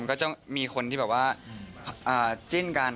ก็จะมีคนที่แบบว่าจิ้นกัน